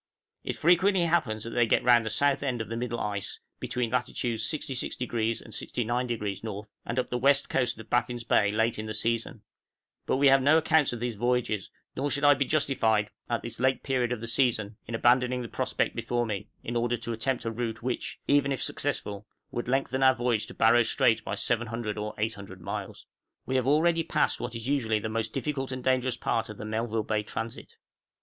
It frequently happens that they get round the south end of the middle ice, between latitudes 66° and 69° N., and up the west coast of Baffin's Bay late in the season; but we have no accounts of these voyages, nor should I be justified, at this late period of the season, in abandoning the prospect before me, in order to attempt a route which, even if successful, would lengthen our voyage to Barrow Strait by 700 or 800 miles. We have already passed what is usually the most difficult and dangerous part of the Melville Bay transit.